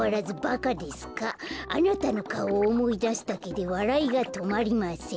あなたのかおをおもいだすだけでわらいがとまりません。